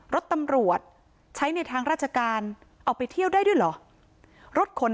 รถตำรวจใช้ในทางราชการเอาไปเที่ยวได้ด้วยเหรอรถขน